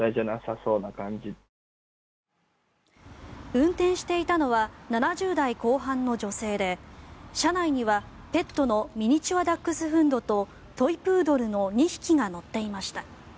運転していたのは７０代後半の女性で車内にはペットのミニチュアダックスフントとトイプードルの２匹が乗っていました。